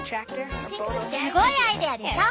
すごいアイデアでしょ！